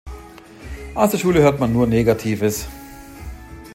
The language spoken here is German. Aus der Schule hört man nur Negatives.